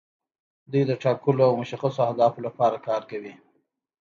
دوی د ټاکلو او مشخصو اهدافو لپاره کار کوي.